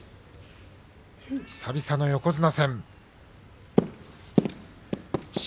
久々の横綱戦です。